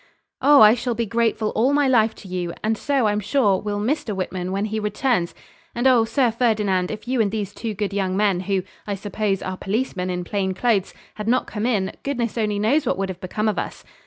'Oh! I shall be grateful all my life to you, and so, I'm sure, will Mr. Whitman, when he returns; and oh! Sir Ferdinand, if you and these two good young men, who, I suppose, are policemen in plain clothes, had not come in, goodness only knows what would have become of us.'